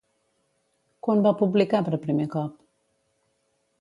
Quan va publicar per primer cop?